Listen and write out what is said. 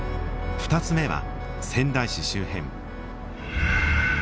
２つ目は仙台市周辺。